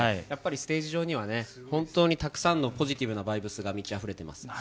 やっぱりステージ上にはね、本当にたくさんのポジティブなバイブスが満ちあふれてます。